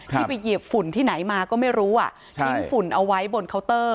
ที่ไปเหยียบฝุ่นที่ไหนมาก็ไม่รู้ทิ้งฝุ่นเอาไว้บนเคาน์เตอร์